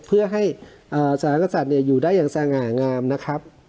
เพื่อให้เอ่อสหรัฐกษัตริย์เนี้ยอยู่ได้อย่างสง่างามนะครับ